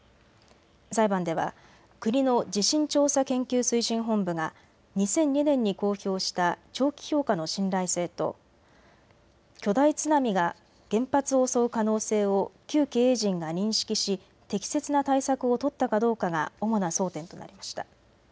裁判では国の地震調査研究推進本部が２００２年に公表した長期評価の信頼性と巨大津波が原発を襲う可能性を旧経営陣が認識し適切な対策を取ったかどうかが主な争点となりました。